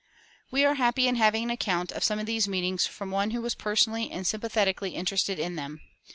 We are happy in having an account of some of these meetings from one who was personally and sympathetically interested in them.